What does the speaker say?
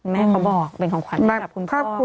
แม้เขาบอกเป็นของขวัญชาติของคุณพ่อ